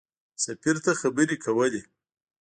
سفیر ته خبرې کولې.